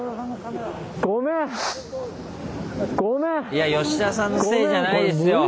いやヨシダさんのせいじゃないですよ。